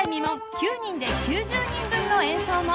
９人で９０人分の演奏も